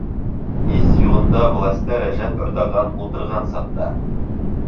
Һис юғында власта Рәжәп Эрдоган ултырған саҡта.